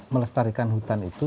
melestarikan hutan itu